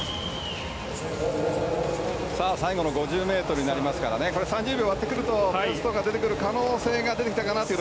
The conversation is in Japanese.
最後の５０ｍ３０秒を割ってくるとベストが出てくる可能性が出てきたかなと。